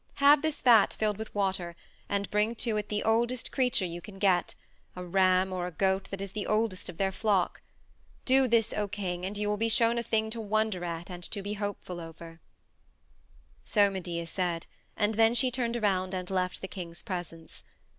Have this vat filled with water, and bring to it the oldest creature you can get a ram or a goat that is the oldest of their flock. Do this, O king, and you will be shown a thing to wonder at and to be hopeful over." So Medea said, and then she turned around and left the king's presence.